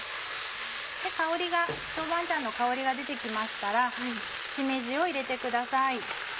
香りが豆板醤の香りが出て来ましたらしめじを入れてください。